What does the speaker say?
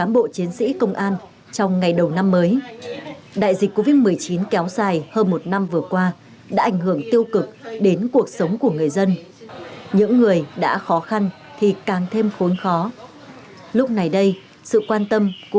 bằng một gói khi no